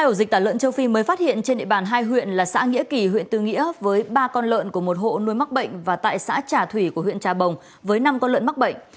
ổ dịch tả lợn châu phi mới phát hiện trên địa bàn hai huyện là xã nghĩa kỳ huyện tư nghĩa với ba con lợn của một hộ nuôi mắc bệnh và tại xã trà thủy của huyện trà bồng với năm con lợn mắc bệnh